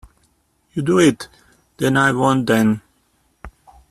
You do it!—That I won’t, then!